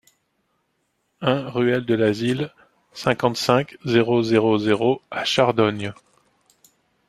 un ruelle de l'Asile, cinquante-cinq, zéro zéro zéro à Chardogne